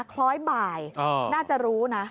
คล้อยบ่ายน่าจะรู้นะ